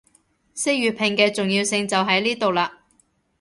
識粵拼嘅重要性就喺呢度喇